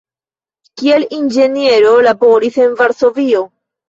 Kiel inĝeniero laboris en Varsovio.